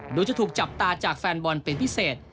ดูจะถูกจับตาจากแฟนบอลเป็นพิเศษ